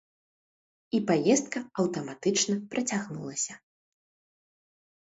І паездка аўтаматычна працягнулася.